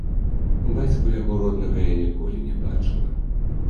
Бацьку яго роднага я ніколі не бачыла.